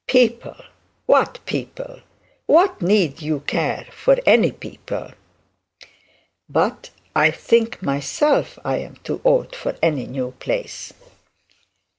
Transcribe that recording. What people? What need you care for any people?' 'But I think myself I am too old for any new place.'